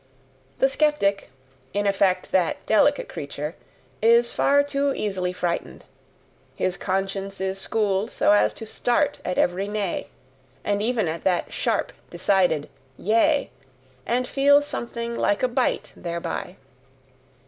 The skeptic, in effect, that delicate creature, is far too easily frightened; his conscience is schooled so as to start at every Nay, and even at that sharp, decided Yea, and feels something like a bite thereby.